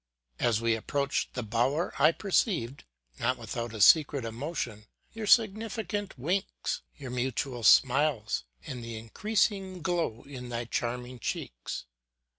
As we approached the bower I perceived, not without a secret emotion, your significant winks, your mutual smiles, and the increasing glow in thy charming cheeks.